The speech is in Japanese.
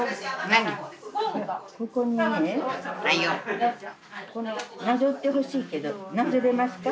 なぞってほしいけどなぞれますか？